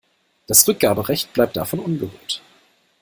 Das Rückgaberecht bleibt davon unberührt.